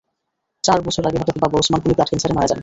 চার বছর আগে হঠাৎ বাবা ওসমান গনি ব্লাড ক্যানসারে মারা যান।